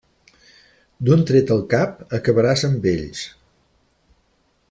D'un tret al cap acabaràs amb ells.